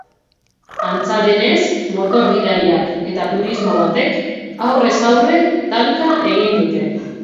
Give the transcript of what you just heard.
Antza denez, motor gidariak eta turismo batek aurrez aurre talka egin dute.